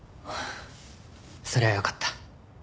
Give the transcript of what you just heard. それはよかった。